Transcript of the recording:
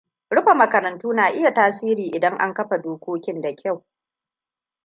Rufe makarantu na iya tasiri idan an kafa dokokin da kyau.